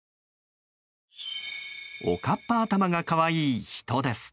おかっぱ頭が可愛い人です。